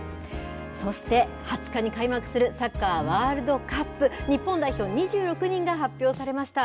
そして、２０日に開幕するサッカーワールドカップ、日本代表２６人が発表されました。